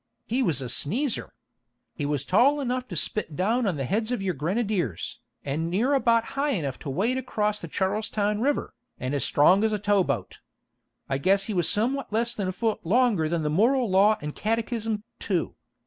He was a sneezer. He was tall enough to spit down on the heads of your grenadiers, and near about high enough to wade across Charlestown River, and as strong as a tow boat. I guess he was somewhat less than a foot longer than the moral law and catechism, too.